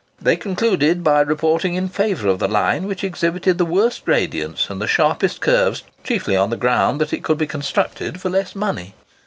They concluded by reporting in favour of the line which exhibited the worst gradients and the sharpest curves, chiefly on the ground that it could be constructed for less money.